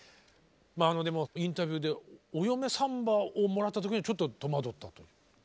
まあでもインタビューで「お嫁サンバ」をもらった時にはちょっと戸惑ったと。